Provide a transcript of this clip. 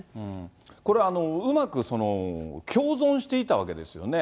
これ、うまく共存していたわけですよね。